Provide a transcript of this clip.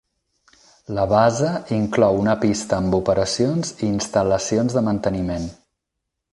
La base inclou una pista amb operacions i instal·lacions de manteniment.